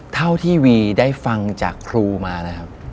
เท่าที่วีได้ฟังจากครูมานะครับ